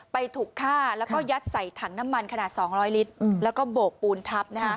ถูกฆ่าแล้วก็ยัดใส่ถังน้ำมันขนาด๒๐๐ลิตรแล้วก็โบกปูนทับ